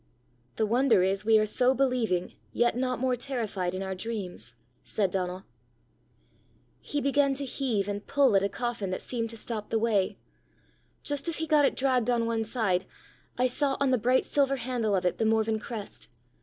"The wonder is we are so believing, yet not more terrified, in our dreams," said Donal. "He began to heave and pull at a coffin that seemed to stop the way. Just as he got it dragged on one side, I saw on the bright silver handle of it the Morven crest.